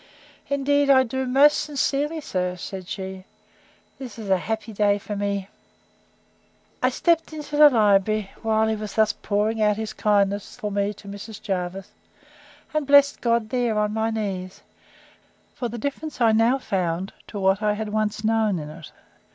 Indeed I do, most sincerely, sir, said she: This is a happy day to me! I stept into the library, while he was thus pouring out his kindness for me to Mrs. Jervis; and blessed God there on my knees, for the difference I now found to what I had once known in it.